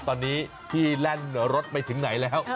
ตอนนี้พี่แล่นรถไปถึงไหนแล้ว